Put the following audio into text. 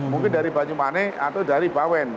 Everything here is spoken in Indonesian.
mungkin dari banyumane atau dari bawen